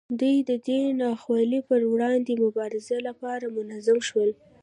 دوی د دې ناخوالو پر وړاندې مبارزې لپاره منظم شول.